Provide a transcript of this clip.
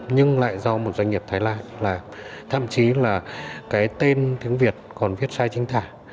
nhưng lại do một doanh nghiệp thái lan làm thậm chí là cái tên tiếng việt còn viết sai chính thả